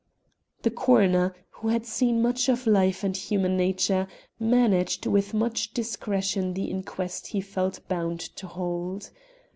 The coroner, who had seen much of life and human nature, managed with much discretion the inquest he felt bound to hold.